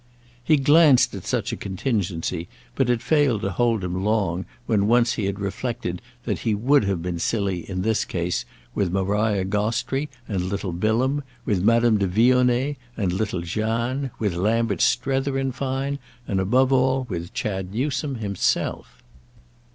He glanced at such a contingency, but it failed to hold him long when once he had reflected that he would have been silly, in this case, with Maria Gostrey and little Bilham, with Madame de Vionnet and little Jeanne, with Lambert Strether, in fine, and above all with Chad Newsome himself.